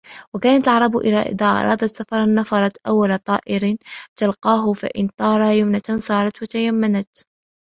وَكَانَتْ الْعَرَبُ إذَا أَرَادَتْ سَفَرًا نَفَّرَتْ أَوَّلَ طَائِرٍ تَلْقَاهُ فَإِنْ طَارَ يَمْنَةً سَارَتْ وَتَيَمَّنَتْ